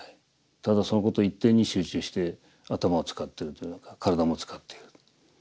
ただそのこと一点に集中して頭を使ってるというのか体も使っている。